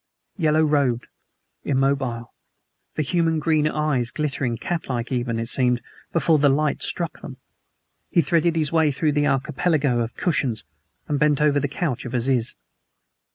Yellow robed, immobile, the inhuman green eyes glittering catlike even, it seemed, before the light struck them, he threaded his way through the archipelago of cushions and bent over the couch of Aziz.